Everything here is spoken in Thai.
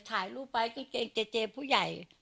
ถ่ายรูปไว้กางเกงเจเจผู้ใหญ่